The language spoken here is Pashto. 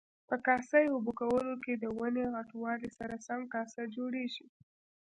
په کاسه یي اوبه کولو کې د ونې د غټوالي سره سم کاسه جوړیږي.